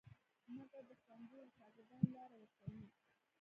مګر د ښوونځیو له شاګردانو لاره ورکوي.